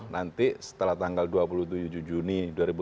nanti setelah tanggal dua puluh tujuh juni dua ribu dua puluh